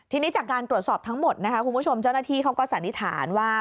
ทีนี้จากการตรวจสอบทั้งหมดนะคะคุณผู้ชมเจ้าหน้าที่เขาก็สันนิษฐานว่า